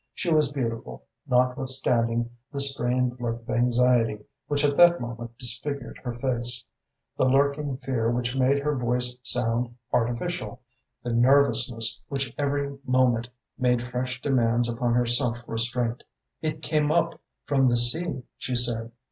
She was beautiful, notwithstanding the strained look of anxiety which at that moment disfigured her face, the lurking fear which made her voice sound artificial, the nervousness which every moment made fresh demands upon her self restraint. "It came up from the sea," she said.